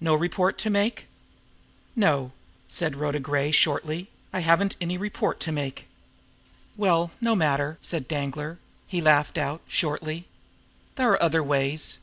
No report to make?" "No," said Rhoda Gray shortly. "I haven't any report to make." "Well, no matter!" said Danglar. He laughed out shortly. "There are other ways!